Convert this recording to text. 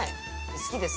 好きです。